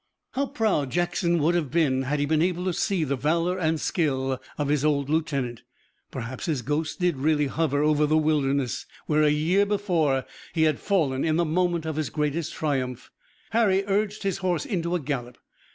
How proud Jackson would have been had he been able to see the valor and skill of his old lieutenant! Perhaps his ghost did really hover over the Wilderness, where a year before he had fallen in the moment of his greatest triumph! Harry urged his horse into a gallop.